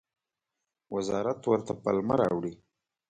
وزارت ورته پلمه راوړي.